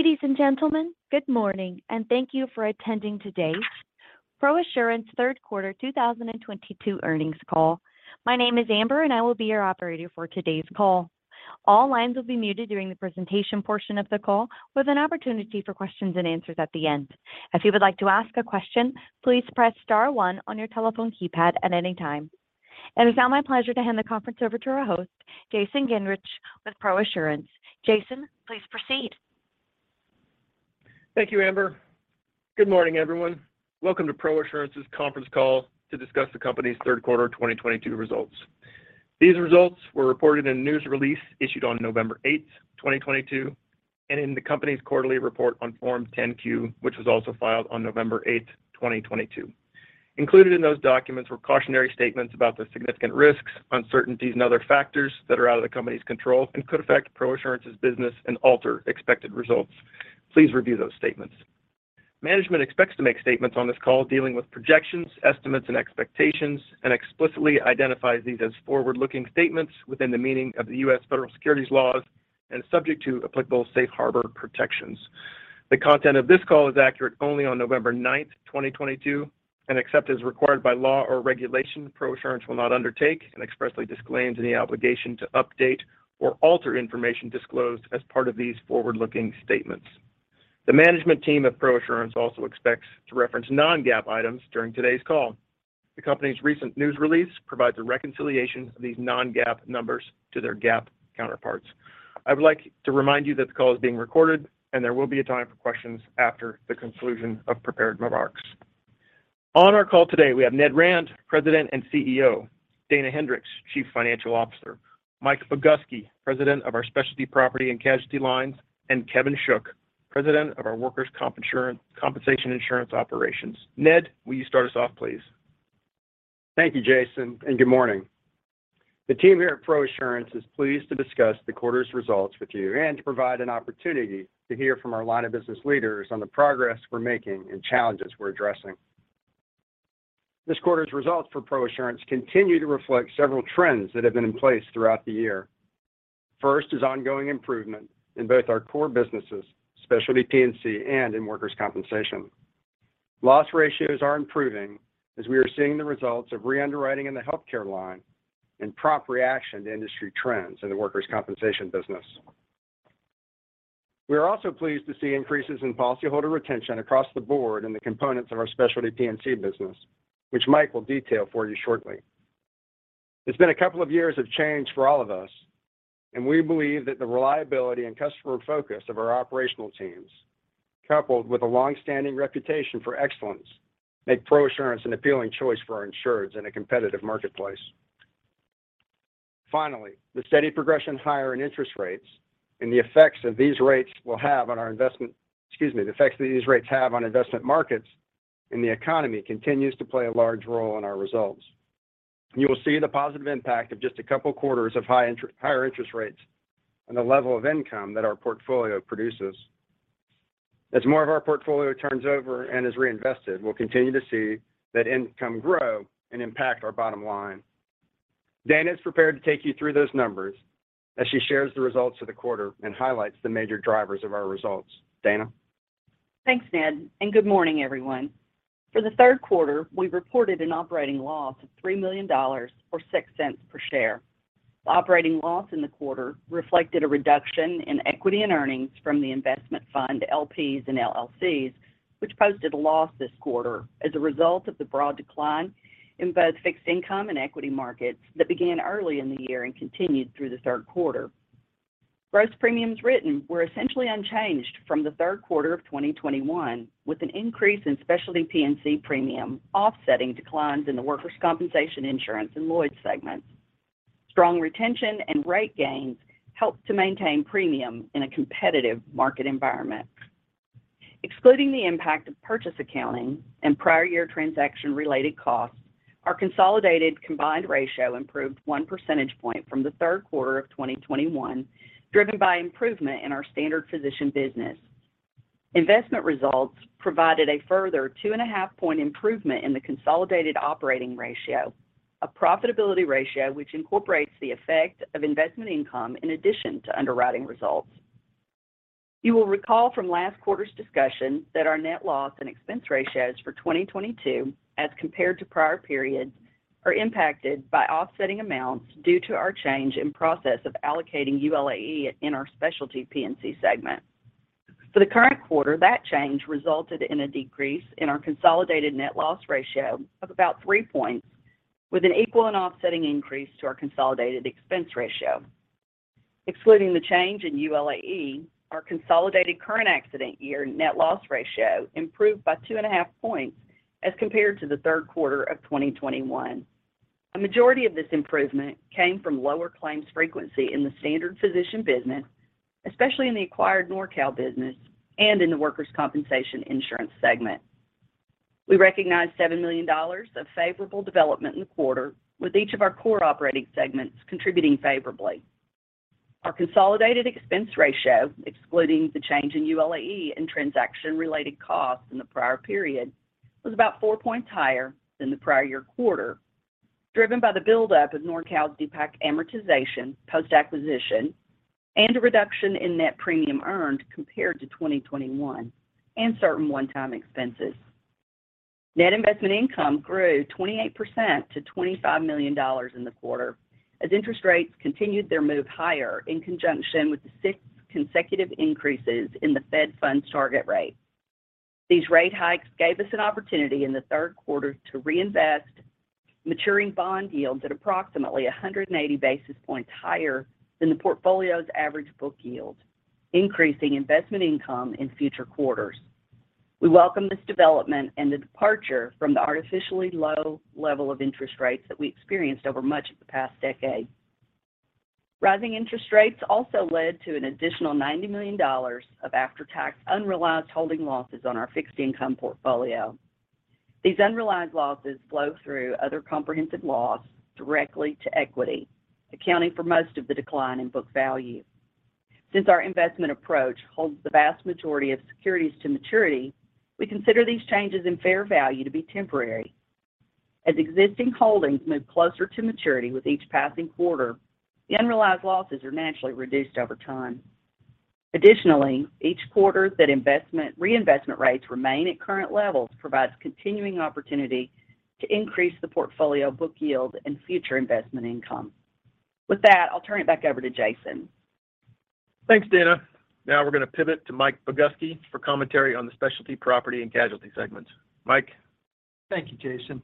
Ladies and gentlemen, good morning, and thank you for attending today ProAssurance third quarter 2022 earnings call. My name is Amber, and I will be your operator for today's call. All lines will be muted during the presentation portion of the call with an opportunity for questions and answers at the end. If you would like to ask a question, please press star one on your telephone keypad at any time. It is now my pleasure to hand the conference over to our host, Jason Gingerich, with ProAssurance. Jason, please proceed. Thank you, Amber. Good morning, everyone. Welcome to ProAssurance's conference call to discuss the company's third quarter 2022 results. These results were reported in a news release issued on November 8, 2022, and in the company's quarterly report on Form 10-Q, which was also filed on November 8, 2022. Included in those documents were cautionary statements about the significant risks, uncertainties, and other factors that are out of the company's control and could affect ProAssurance's business and alter expected results. Please review those statements. Management expects to make statements on this call dealing with projections, estimates, and expectations, and explicitly identifies these as forward-looking statements within the meaning of the U.S. federal securities laws and subject to applicable safe harbor protections. The content of this call is accurate only on November 9, 2022, and except as required by law or regulation, ProAssurance will not undertake and expressly disclaims any obligation to update or alter information disclosed as part of these forward-looking statements. The management team of ProAssurance also expects to reference non-GAAP items during today's call. The company's recent news release provides a reconciliation of these non-GAAP numbers to their GAAP counterparts. I would like to remind you that the call is being recorded, and there will be a time for questions after the conclusion of prepared remarks. On our call today, we have Ned Rand, President and CEO, Dana Hendricks, Chief Financial Officer, Mike Boguski, President of our Specialty Property and Casualty lines, and Kevin Shook, President of our Workers' Compensation Insurance Operations. Ned, will you start us off, please? Thank you, Jason, and good morning. The team here at ProAssurance is pleased to discuss the quarter's results with you and to provide an opportunity to hear from our line of business leaders on the progress we're making and challenges we're addressing. This quarter's results for ProAssurance continue to reflect several trends that have been in place throughout the year. First is ongoing improvement in both our core businesses, specialty P&C and in workers' compensation. Loss ratios are improving as we are seeing the results of re-underwriting in the healthcare line and proper reaction to industry trends in the workers' compensation business. We are also pleased to see increases in policyholder retention across the board in the components of our specialty P&C business, which Mike will detail for you shortly. It's been a couple of years of change for all of us, and we believe that the reliability and customer focus of our operational teams, coupled with a long-standing reputation for excellence, make ProAssurance an appealing choice for our insureds in a competitive marketplace. Finally, the steady progression higher in interest rates and the effects that these rates have on investment markets and the economy continues to play a large role in our results. You will see the positive impact of just a couple quarters of higher interest rates and the level of income that our portfolio produces. As more of our portfolio turns over and is reinvested, we'll continue to see that income grow and impact our bottom line. Dana's prepared to take you through those numbers as she shares the results of the quarter and highlights the major drivers of our results. Dana? Thanks, Ned, and good morning, everyone. For the third quarter, we reported an operating loss of $3 million or $0.06 per share. The operating loss in the quarter reflected a reduction in equity and earnings from the investment fund LPs and LLCs, which posted a loss this quarter as a result of the broad decline in both fixed income and equity markets that began early in the year and continued through the third quarter. Gross premiums written were essentially unchanged from the third quarter of 2021, with an increase in specialty P&C premium offsetting declines in the workers' compensation insurance and Lloyd's segments. Strong retention and rate gains helped to maintain premium in a competitive market environment. Excluding the impact of purchase accounting and prior year transaction-related costs, our consolidated combined ratio improved 1 percentage point from the third quarter of 2021, driven by improvement in our standard physician business. Investment results provided a further 2.5-point improvement in the consolidated operating ratio, a profitability ratio which incorporates the effect of investment income in addition to underwriting results. You will recall from last quarter's discussion that our net loss and expense ratios for 2022 as compared to prior periods are impacted by offsetting amounts due to our change in process of allocating ULAE in our specialty P&C segment. For the current quarter, that change resulted in a decrease in our consolidated net loss ratio of about 3 points with an equal and offsetting increase to our consolidated expense ratio. Excluding the change in ULAE, our consolidated current accident year net loss ratio improved by 2.5 points as compared to the third quarter of 2021. A majority of this improvement came from lower claims frequency in the standard physician business, especially in the acquired NorCal business and in the workers' compensation insurance segment. We recognized $7 million of favorable development in the quarter, with each of our core operating segments contributing favorably. Our consolidated expense ratio, excluding the change in ULAE and transaction-related costs in the prior period, was about 4 points higher than the prior year quarter. Driven by the buildup of NorCal's DPAC amortization, post-acquisition, and a reduction in net premium earned compared to 2021, and certain one-time expenses. Net investment income grew 28% to $25 million in the quarter as interest rates continued their move higher in conjunction with the six consecutive increases in the Fed funds target rate. These rate hikes gave us an opportunity in the third quarter to reinvest maturing bond yields at approximately 180 basis points higher than the portfolio's average book yield, increasing investment income in future quarters. We welcome this development and the departure from the artificially low level of interest rates that we experienced over much of the past decade. Rising interest rates also led to an additional $90 million of after-tax unrealized holding losses on our fixed income portfolio. These unrealized losses flow through other comprehensive loss directly to equity, accounting for most of the decline in book value. Since our investment approach holds the vast majority of securities to maturity, we consider these changes in fair value to be temporary. As existing holdings move closer to maturity with each passing quarter, the unrealized losses are naturally reduced over time. Additionally, each quarter that reinvestment rates remain at current levels provides continuing opportunity to increase the portfolio book yield and future investment income. With that, I'll turn it back over to Jason. Thanks, Dana. Now we're gonna pivot to Mike Boguski for commentary on the Specialty Property and Casualty segments. Mike. Thank you, Jason.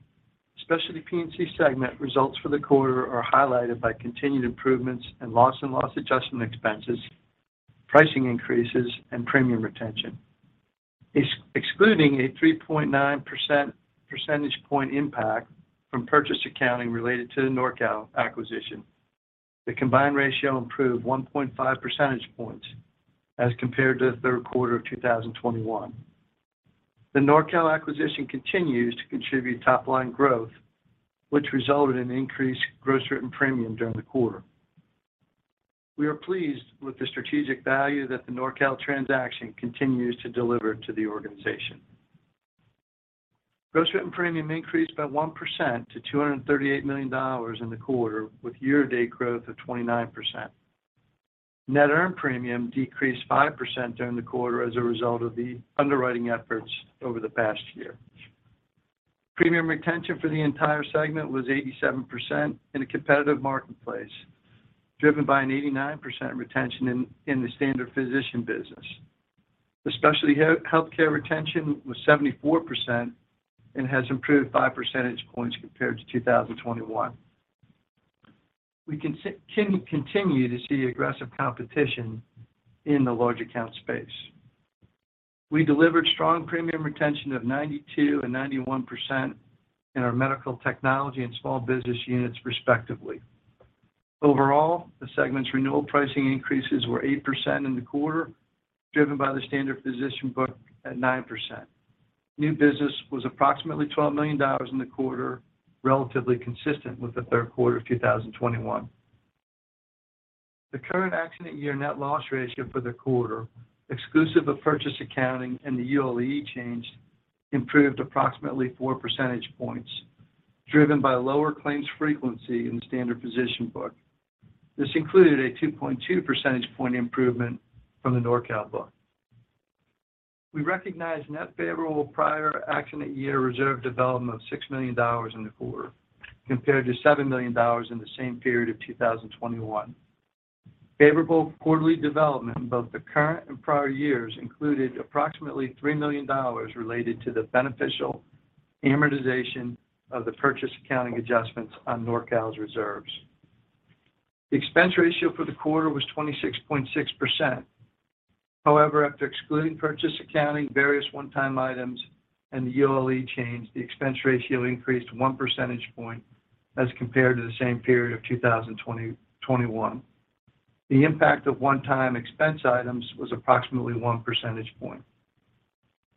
Specialty P&C segment results for the quarter are highlighted by continued improvements in loss and loss adjustment expenses, pricing increases, and premium retention. Excluding a 3.9 percentage point impact from purchase accounting related to the NorCal acquisition, the combined ratio improved 1.5 percentage points as compared to the third quarter of 2021. The NorCal acquisition continues to contribute top-line growth, which resulted in increased gross written premium during the quarter. We are pleased with the strategic value that the NorCal transaction continues to deliver to the organization. Gross written premium increased by 1% to $238 million in the quarter, with year-to-date growth of 29%. Net earned premium decreased 5% during the quarter as a result of the underwriting efforts over the past year. Premium retention for the entire segment was 87% in a competitive marketplace, driven by an 89% retention in the standard physician business. The specialty healthcare retention was 74% and has improved 5 percentage points compared to 2021. We can continue to see aggressive competition in the large account space. We delivered strong premium retention of 92% and 91% in our medical technology and small business units, respectively. Overall, the segment's renewal pricing increases were 8% in the quarter, driven by the standard physician book at 9%. New business was approximately $12 million in the quarter, relatively consistent with the third quarter of 2021. The current accident year net loss ratio for the quarter, exclusive of purchase accounting and the ULAE change, improved approximately 4 percentage points, driven by lower claims frequency in standard physician book. This included a 2.2 percentage point improvement from the NorCal book. We recognized net favorable prior accident year reserve development of $6 million in the quarter, compared to $7 million in the same period of 2021. Favorable quarterly development in both the current and prior years included approximately $3 million related to the beneficial amortization of the purchase accounting adjustments on NorCal's reserves. The expense ratio for the quarter was 26.6%. However, after excluding purchase accounting, various one-time items, and the ULAE change, the expense ratio increased 1 percentage point as compared to the same period of 2021. The impact of one-time expense items was approximately 1 percentage point.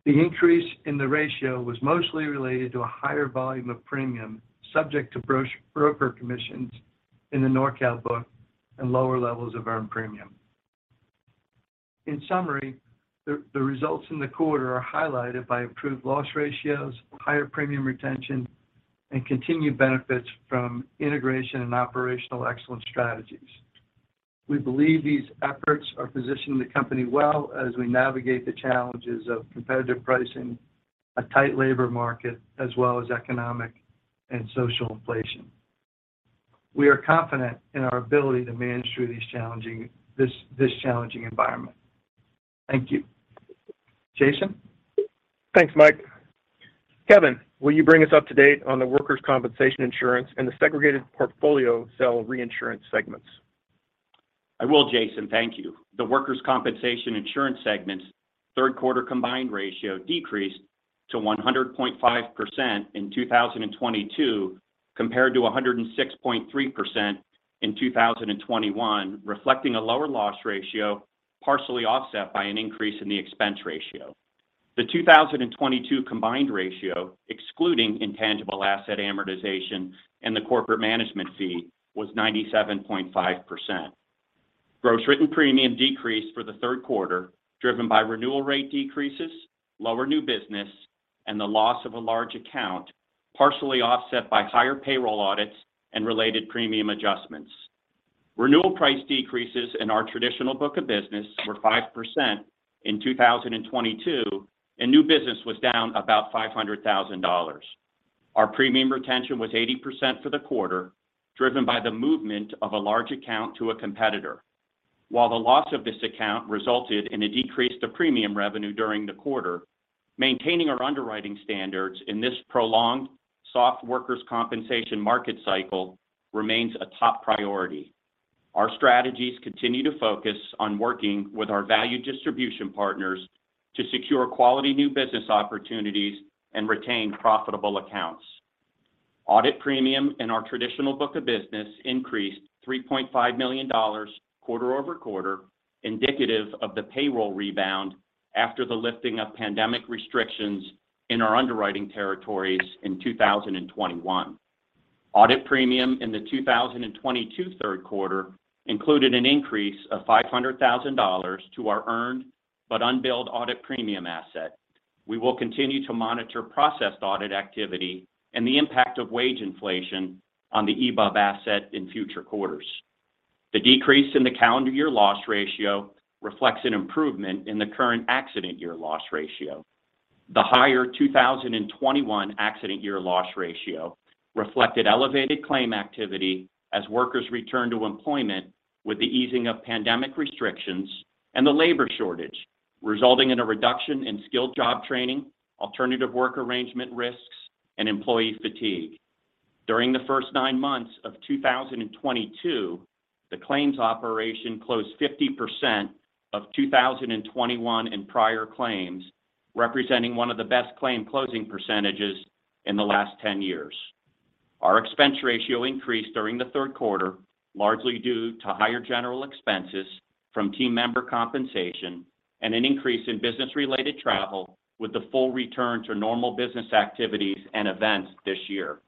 The increase in the ratio was mostly related to a higher volume of premium subject to broker commissions in the NorCal book and lower levels of earned premium. In summary, the results in the quarter are highlighted by improved loss ratios, higher premium retention, and continued benefits from integration and operational excellence strategies. We believe these efforts are positioning the company well as we navigate the challenges of competitive pricing, a tight labor market, as well as economic and social inflation. We are confident in our ability to manage through this challenging environment. Thank you. Jason. Thanks, Mike. Kevin, will you bring us up to date on the workers' compensation insurance and the segregated portfolio cell reinsurance segments? I will, Jason. Thank you. The workers' compensation insurance segment's third quarter combined ratio decreased to 100.5% in 2022, compared to 106.3% in 2021, reflecting a lower loss ratio, partially offset by an increase in the expense ratio. The 2022 combined ratio, excluding intangible asset amortization and the corporate management fee, was 97.5%. Gross written premium decreased for the third quarter, driven by renewal rate decreases, lower new business, and the loss of a large account, partially offset by higher payroll audits and related premium adjustments. Renewal price decreases in our traditional book of business were 5% in 2022, and new business was down about $500,000. Our premium retention was 80% for the quarter, driven by the movement of a large account to a competitor. While the loss of this account resulted in a decrease to premium revenue during the quarter, maintaining our underwriting standards in this prolonged soft workers' compensation market cycle remains a top priority. Our strategies continue to focus on working with our valued distribution partners to secure quality new business opportunities and retain profitable accounts. Audit premium in our traditional book of business increased $3.5 million quarter-over-quarter, indicative of the payroll rebound after the lifting of pandemic restrictions in our underwriting territories in 2021. Audit premium in the 2022 third quarter included an increase of $500,000 to our earned but unbilled audit premium asset. We will continue to monitor processed audit activity and the impact of wage inflation on the EBUB asset in future quarters. The decrease in the calendar year loss ratio reflects an improvement in the current accident year loss ratio. The higher 2021 accident year loss ratio reflected elevated claim activity as workers returned to employment with the easing of pandemic restrictions and the labor shortage, resulting in a reduction in skilled job training, alternative work arrangement risks, and employee fatigue. During the first nine months of 2022, the claims operation closed 50% of 2021 and prior claims, representing one of the best claim closing percentages in the last 10 years. Our expense ratio increased during the third quarter, largely due to higher general expenses from team member compensation and an increase in business-related travel with the full return to normal business activities and events this year.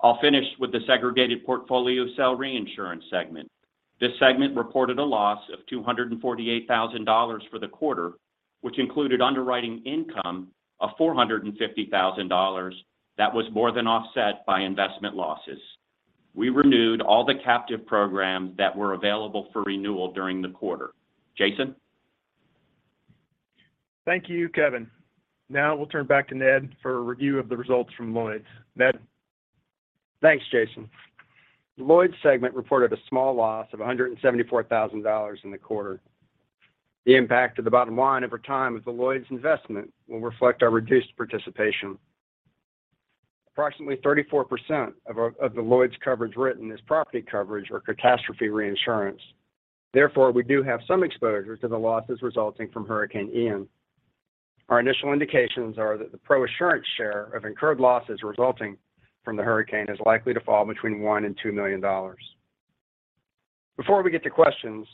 I'll finish with the segregated portfolio cell reinsurance segment. This segment reported a loss of $248,000 for the quarter, which included underwriting income of $450,000 that was more than offset by investment losses. We renewed all the captive programs that were available for renewal during the quarter. Jason? Thank you, Kevin. Now we'll turn back to Ned for a review of the results from Lloyd's. Ned? Thanks, Jason. The Lloyd's segment reported a small loss of $174,000 in the quarter. The impact to the bottom line over time of the Lloyd's investment will reflect our reduced participation. Approximately 34% of the Lloyd's coverage written is property coverage or catastrophe reinsurance. Therefore, we do have some exposure to the losses resulting from Hurricane Ian. Our initial indications are that the ProAssurance share of incurred losses resulting from the hurricane is likely to fall between $1 million-$2 million. Before we get to questions,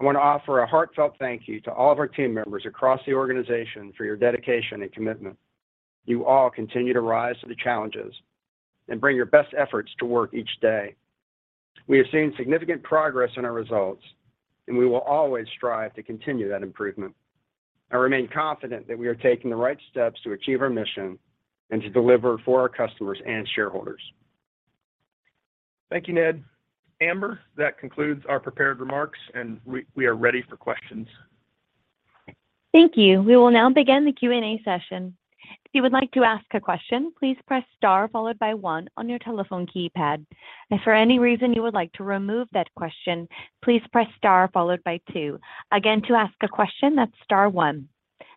I want to offer a heartfelt thank you to all of our team members across the organization for your dedication and commitment. You all continue to rise to the challenges and bring your best efforts to work each day. We have seen significant progress in our results, and we will always strive to continue that improvement. I remain confident that we are taking the right steps to achieve our mission and to deliver for our customers and shareholders. Thank you, Ned. Amber, that concludes our prepared remarks, and we are ready for questions. Thank you. We will now begin the Q&A session. If you would like to ask a question, please press star followed by one on your telephone keypad. If for any reason you would like to remove that question, please press star followed by two. Again, to ask a question, that's star one.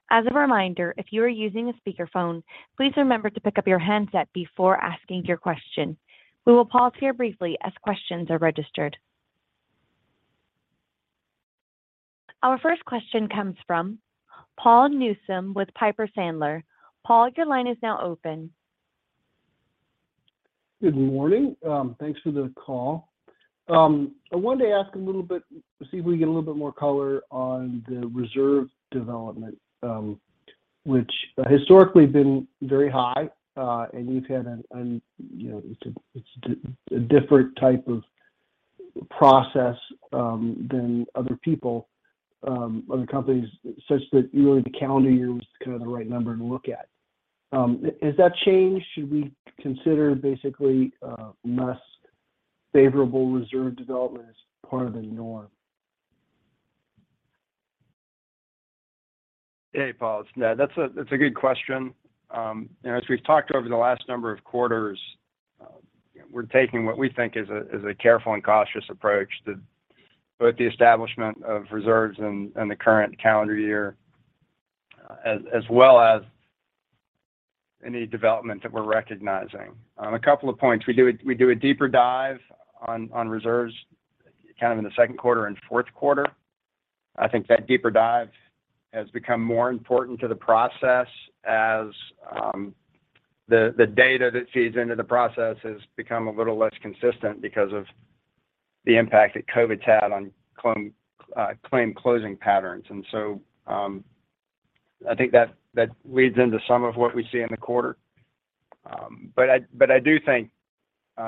As a reminder, if you are using a speakerphone, please remember to pick up your handset before asking your question. We will pause here briefly as questions are registered. Our first question comes from Paul Newsome with Piper Sandler. Paul, your line is now open. Good morning. Thanks for the call. I wanted to ask a little bit to see if we can get a little bit more color on the reserve development, which historically had been very high, and you've had a, you know, it's a different type of process than other people, other companies, such that usually the calendar year was kind of the right number to look at. Has that changed? Should we consider basically a less favorable reserve development as part of the norm? Hey, Paul. It's Ned. That's a good question. You know, as we've talked over the last number of quarters, we're taking what we think is a careful and cautious approach to both the establishment of reserves in the current calendar year as well as any development that we're recognizing. A couple of points. We do a deeper dive on reserves kind of in the second quarter and fourth quarter. I think that deeper dive has become more important to the process as the data that feeds into the process has become a little less consistent because of the impact that COVID's had on claim closing patterns. I think that leads into some of what we see in the quarter. I do think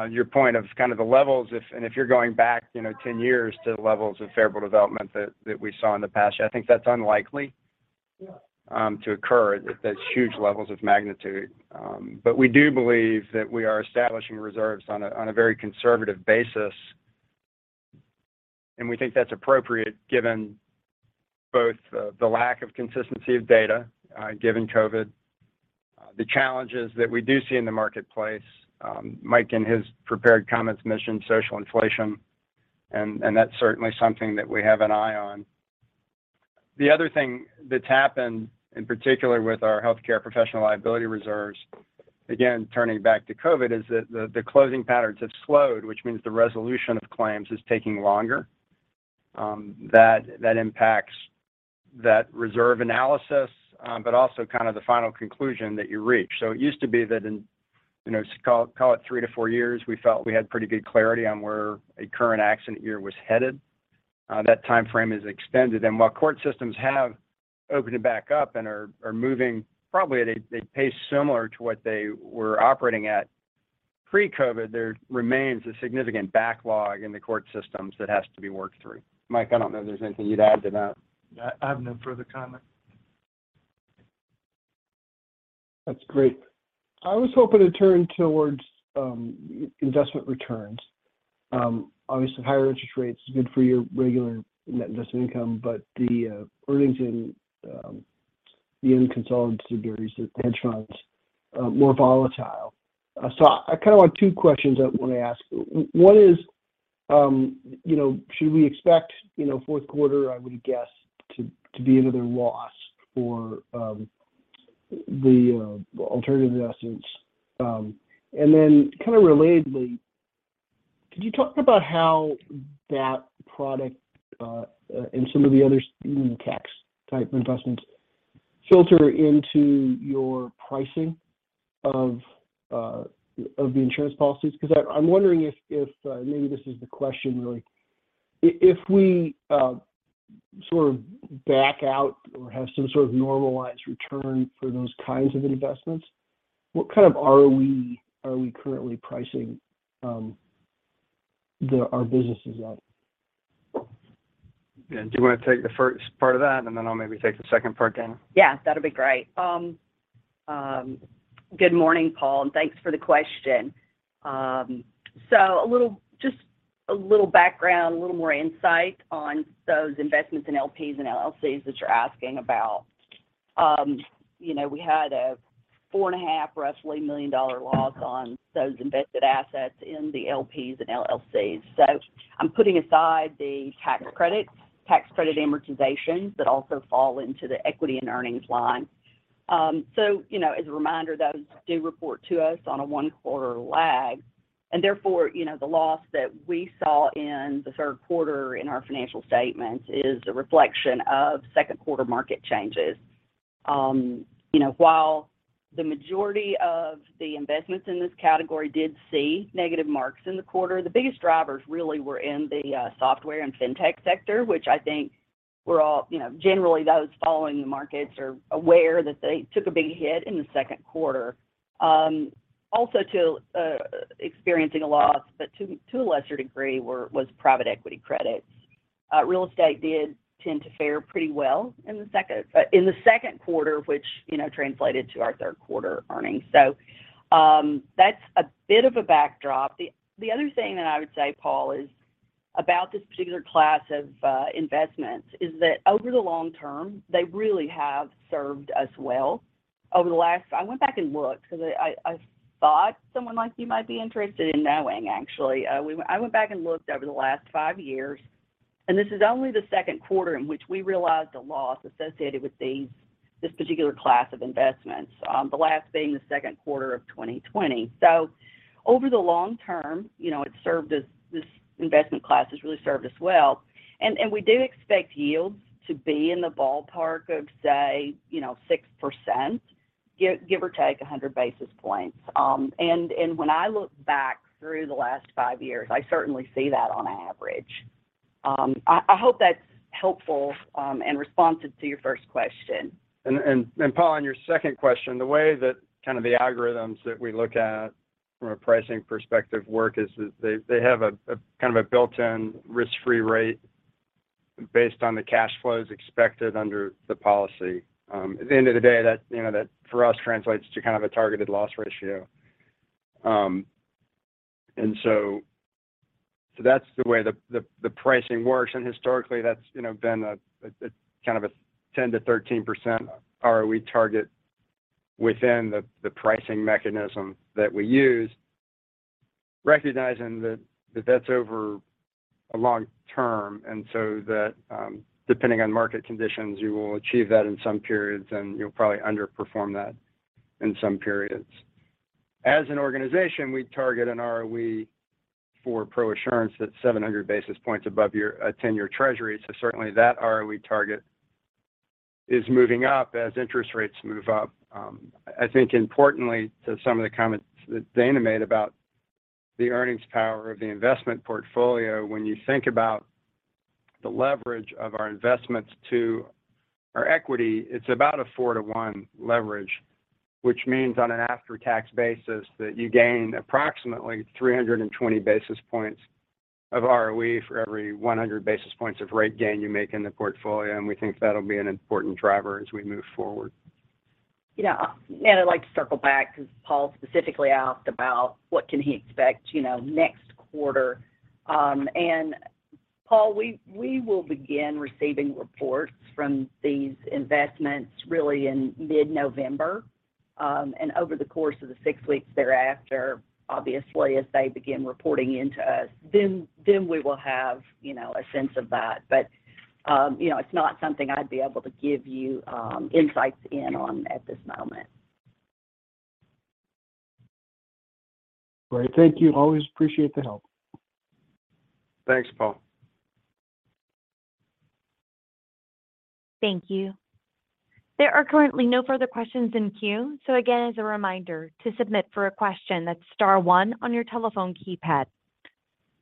your point of kind of the levels, if you're going back, you know, 10 years to the levels of favorable development that we saw in the past year, I think that's unlikely to occur. That's huge levels of magnitude. We do believe that we are establishing reserves on a very conservative basis, and we think that's appropriate given both the lack of consistency of data, given COVID, the challenges that we do see in the marketplace. Mike in his prepared comments mentioned social inflation and that's certainly something that we have an eye on. The other thing that's happened in particular with our healthcare professional liability reserves, again, turning back to COVID, is that the closing patterns have slowed, which means the resolution of claims is taking longer. That impacts that reserve analysis, but also kind of the final conclusion that you reach. It used to be that in call it three to four years, we felt we had pretty good clarity on where a current accident year was headed. That timeframe is extended. While court systems have opened back up and are moving probably at a pace similar to what they were operating at pre-COVID, there remains a significant backlog in the court systems that has to be worked through. Mike, I don't know if there's anything you'd add to that. I have no further comment. That's great. I was hoping to turn towards investment returns. Obviously higher interest rates is good for your regular net investment income, but the earnings in the unconsolidated areas, the hedge funds are more volatile. I kind of want two questions I want to ask. One is, you know, should we expect, you know, fourth quarter, I would guess to be another loss for the alternative investments? Kind of relatedly, could you talk about how that product and some of the other even tax type investments filter into your pricing of the insurance policies? 'Cause I'm wondering if, maybe this is the question, really. If we sort of back out or have some sort of normalized return for those kinds of investments, what kind of ROE are we currently pricing our businesses at? Yeah. Do you wanna take the first part of that, and then I'll maybe take the second part, Dana? Yeah, that'll be great. Good morning, Paul, and thanks for the question. A little, just a little background, a little more insight on those investments in LPs and LLCs that you're asking about. You know, we had a roughly $4.5 million loss on those invested assets in the LPs and LLCs. I'm putting aside the tax credits, tax credit amortization that also fall into the equity and earnings line. You know, as a reminder, those do report to us on a one quarter lag. Therefore, you know, the loss that we saw in the third quarter in our financial statements is a reflection of second quarter market changes. You know, while the majority of the investments in this category did see negative marks in the quarter, the biggest drivers really were in the software and fintech sector, which I think we're all, you know, generally those following the markets are aware that they took a big hit in the second quarter. Also experiencing a loss, but to a lesser degree, were private equity credits. Real estate did tend to fare pretty well in the second quarter, which, you know, translated to our third quarter earnings. That's a bit of a backdrop. The other thing that I would say, Paul, is about this particular class of investments is that over the long term, they really have served us well over the last... I went back and looked because I thought someone like you might be interested in knowing actually. I went back and looked over the last five years, and this is only the second quarter in which we realized a loss associated with this particular class of investments, the last being the second quarter of 2020. Over the long term, you know, it's served us, this investment class has really served us well. We do expect yields to be in the ballpark of, say, you know, 6%, give or take 100 basis points. When I look back through the last five years, I certainly see that on average. I hope that's helpful and responsive to your first question. Paul, on your second question, the way that kind of the algorithms that we look at from a pricing perspective work is that they have a kind of a built-in risk-free rate based on the cash flows expected under the policy. At the end of the day, that, you know, that for us translates to kind of a targeted loss ratio. That's the way the pricing works, and historically that's, you know, been a kind of a 10%-13% ROE target within the pricing mechanism that we use. Recognizing that that's over a long term and so that, depending on market conditions, you will achieve that in some periods, and you'll probably underperform that in some periods. As an organization, we target an ROE for ProAssurance that's 700 basis points above, or a 10-year Treasury. Certainly that ROE target is moving up as interest rates move up. I think importantly to some of the comments that Dana made about the earnings power of the investment portfolio, when you think about the leverage of our investments to our equity, it's about a four-to-one leverage, which means on an after-tax basis that you gain approximately 320 basis points of ROE for every 100 basis points of rate gain you make in the portfolio. We think that'll be an important driver as we move forward. You know, I'd like to circle back 'cause Paul specifically asked about what can he expect, you know, next quarter. Paul, we will begin receiving reports from these investments really in mid-November. Over the course of the six weeks thereafter, obviously, as they begin reporting into us, then we will have, you know, a sense of that. You know, it's not something I'd be able to give you insights in on at this moment. Great. Thank you. Always appreciate the help. Thanks, Paul. Thank you. There are currently no further questions in queue. Again, as a reminder, to submit for a question, that's star one on your telephone keypad.